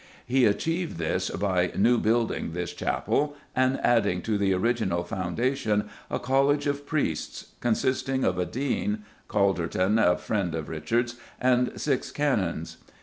He achieved this by "newbuilding this chapel," and adding to the original foundation a college of priests, consisting of a Dean (Chaderton, a friend of Richard's), and six Canons.